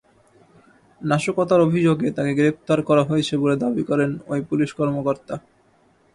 নাশকতার অভিযোগে তাঁকে গ্রেপ্তার করা হয়েছে বলে দাবি করেন ওই পুলিশ কর্মকর্তা।